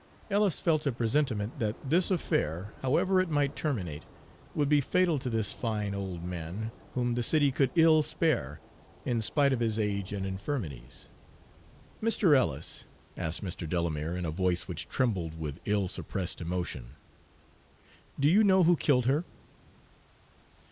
Ellis felt a presentiment that this affair, however it might terminate, would be fatal to this fine old man, whom the city could ill spare, in spite of his age and infirmities. "Mr. Ellis," asked Mr. Delamere, in a voice which trembled with ill suppressed emotion, "do you know who killed her?"